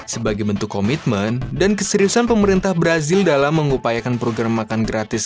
sebagai bentuk komitmen dan keseriusan pemerintah brazil dalam mengupayakan program makan gratis